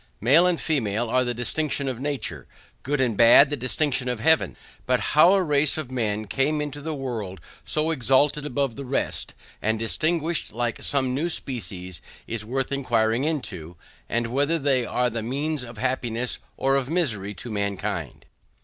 Male and female are the distinctions of nature, good and bad the distinctions of heaven; but how a race of men came into the world so exalted above the rest, and distinguished like some new species, is worth enquiring into, and whether they are the means of happiness or of misery to mankind.